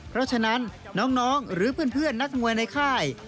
เพราะฉะนั้นน้องหรือเพื่อนนักมวยในค่าย